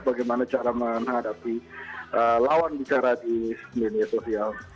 bagaimana cara menghadapi lawan bicara di media sosial